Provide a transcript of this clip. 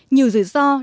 nhiều rủi ro